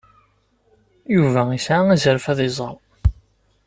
Yuba yesɛa azref ad iẓer.